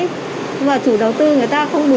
nhưng mà chủ đầu tư người ta không đủ